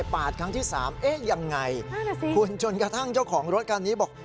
ปาดครั้งที่๓เอ๊ยยังไงคุณจนกระทั่งเจ้าของรถการนี้บอก